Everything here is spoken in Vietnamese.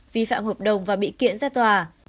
vi phạm hợp đồng và bị kiện ra tòa